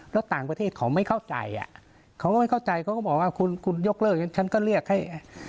แล้วต่างประเทศเขาไม่เข้าใจอ่ะเขาก็ไม่เข้าใจเขาก็บอกว่าคุณคุณยกเลิกฉันก็เรียกให้